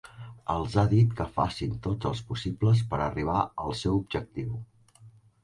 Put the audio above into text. Els ha dit que facin tots els possibles per arribar al seu objectiu.